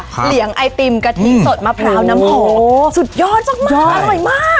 เหลียงไอติมกะทิสดมะพร้าวน้ำหอมสุดยอดมากอร่อยมาก